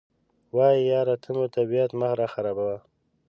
وایي یاره ته مو طبیعت مه راخرابوه.